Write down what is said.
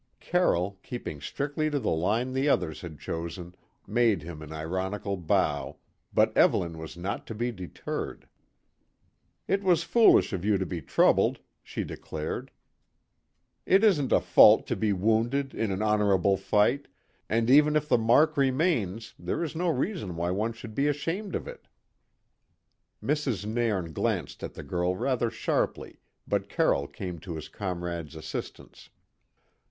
Carroll, keeping strictly to the line the others had chosen, made him an ironical bow, but Evelyn was not to be deterred. "It was foolish of you to be troubled," she declared. "It isn't a fault to be wounded in an honourable fight, and even if the mark remains there is no reason why one should be ashamed of it." Mrs. Nairn glanced at the girl rather sharply, but Carroll came to his comrade's assistance.